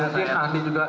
mungkin andi juga